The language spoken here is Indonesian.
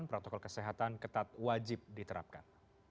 protokol kesehatan ketat wajib diterapkan